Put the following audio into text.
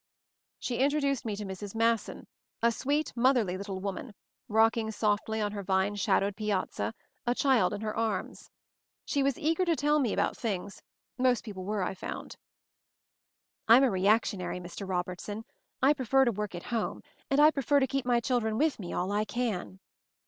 She introduced me to Mrs. Masson, a sweet, motherly little woman, rocking softly on her vine shadowed piazza, a child in her arms. She was eager to tell me about things — most people were, I found. "I'm a reactionary, Mr. Robertson. I prefer to work at home, and I prefer to keep my children with me, all I can."